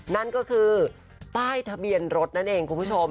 นั่นก็คือป้ายทะเบียนรถนั่นเองคุณผู้ชม